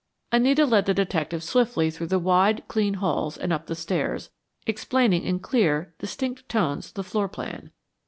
Anita led the detective swiftly through the wide, clean halls and up the stairs, explaining in clear, distinct tones the floor plan.